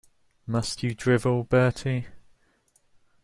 Must you drivel, Bertie?